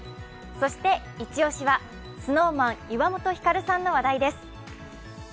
そしてイチ押しはＳｎｏｗＭａｎ、岩本照さんの話題です。